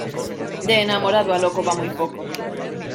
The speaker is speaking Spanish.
De enamorado a loco va muy poco.